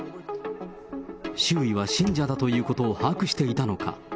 周囲は信者だということを把握していたのか。